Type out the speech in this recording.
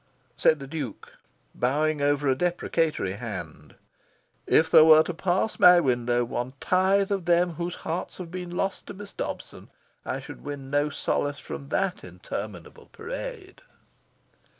Said the Duke, bowing over a deprecatory hand, "If there were to pass my window one tithe of them whose hearts have been lost to Miss Dobson, I should win no solace from that interminable parade."